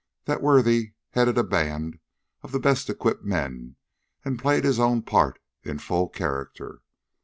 That worthy headed a band of the best equipped men and played his own part in full character.